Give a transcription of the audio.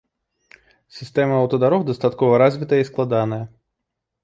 Сістэма аўтадарог дастаткова развітая і складаная.